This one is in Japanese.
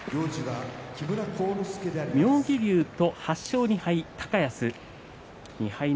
妙義龍と８勝２敗の高安。